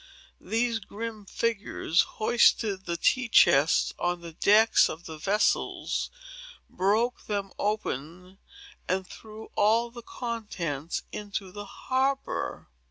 These grim figures hoisted the tea chests on the decks of the vessels, broke them open, and threw all the contents into the harbor."